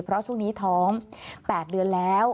เพราะช่วงนี้ท้อง๘เดือนแล้ว